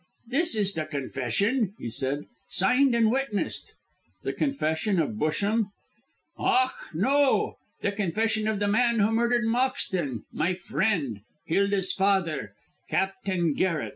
"This is the confession," he said, "signed and witnessed." "The confession of Busham?" "Ach, no; the confession of the man who murdered Moxton my friend, Hilda's father, Captain Garret."